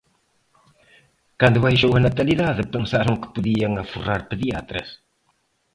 Cando baixou a natalidade, pensaron que podían aforrar pediatras.